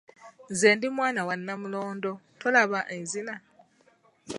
Nze ndi mwana wa Namulondo, tolaba enzina?